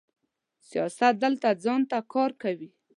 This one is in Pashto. سیاست دلته ځان ته کار کوي.